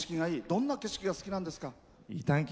どんな景色がすきなんですか？